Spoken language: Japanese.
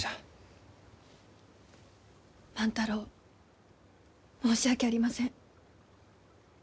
万太郎申し訳ありません。